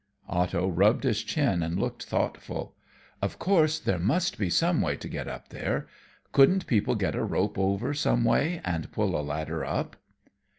Otto rubbed his chin and looked thoughtful. "Of course there must be some way to get up there. Couldn't people get a rope over someway and pull a ladder up?"